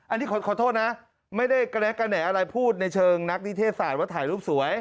อันนี้ขอโทษนะไม่ได้กระแหน่อะไรพูดในเชิงนักนิเทศศาสตร์ว่าถ่ายรูปสวย